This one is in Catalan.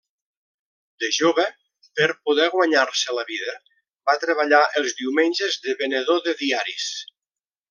De jove, per poder guanyar-se la vida, va treballar els diumenges de venedor de diaris.